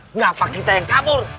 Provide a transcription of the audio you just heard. kenapa kita yang kabur